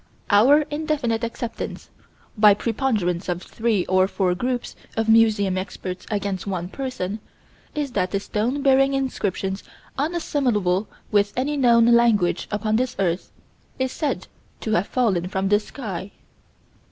Our indefinite acceptance, by preponderance of three or four groups of museum experts against one person, is that a stone bearing inscriptions unassimilable with any known language upon this earth, is said to have fallen from the sky.